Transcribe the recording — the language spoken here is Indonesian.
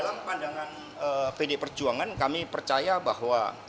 dalam pandangan pd perjuangan kami percaya bahwa